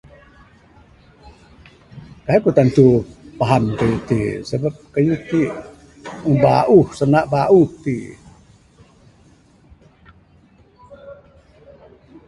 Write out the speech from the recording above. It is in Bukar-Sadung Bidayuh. Kaii ku tantu paham kayuh ti sabab kayuh ti bauh...sanak bauh ti.